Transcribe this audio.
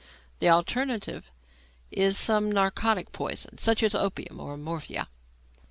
The alternative is some narcotic poison, such as opium or morphia."